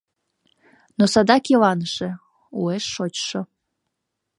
Но садак Иланыше. Уэш шочшо.